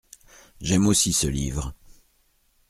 J’aime aussi ce livre.